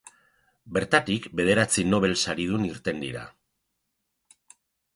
Bertatik, bederatzi Nobel Saridun irten dira.